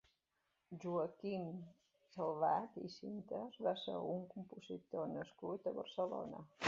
Joaquim Salvat i Sintes va ser un compositor nascut a Barcelona.